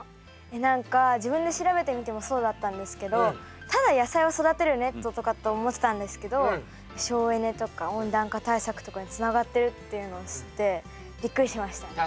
何か自分で調べてみてもそうだったんですけどただ野菜を育てるネットとかって思ってたんですけど省エネとか温暖化対策とかにつながってるっていうのを知ってびっくりしましたね。